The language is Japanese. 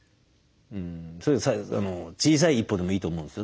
小さい一歩でもいいと思うんですよね。